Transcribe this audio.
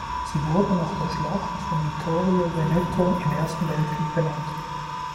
Sie wurde nach der Schlacht von Vittorio Veneto im Ersten Weltkrieg benannt.